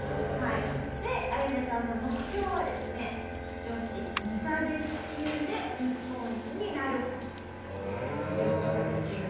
でアヤネさんの目標はですね女子無差別級で日本一になる事だったという事ですよね。